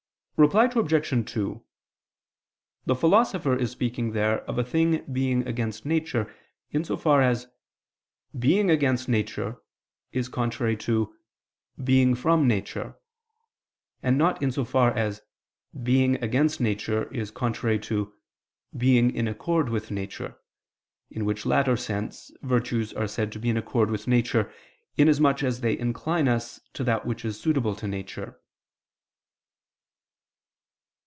Reply Obj. 2: The Philosopher is speaking there of a thing being against nature, in so far as "being against nature" is contrary to "being from nature": and not in so far as "being against nature" is contrary to "being in accord with nature," in which latter sense virtues are said to be in accord with nature, in as much as they incline us to that which is suitable to nature.